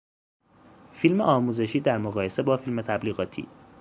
فیلم آموزشی در مقایسه با فیلم تبلیغاتی